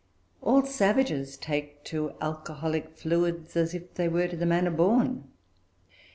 All savages take to alcoholic fluids as if they were to the manner born.